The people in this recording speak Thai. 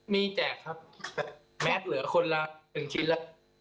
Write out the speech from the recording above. มีแจกครับแมทเหลือคนละ๑ชิ้นละ